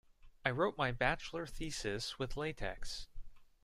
I wrote my bachelor thesis with latex.